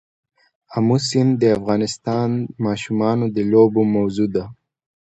آمو سیند د افغان ماشومانو د لوبو موضوع ده.